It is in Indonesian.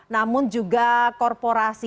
namun juga korporasi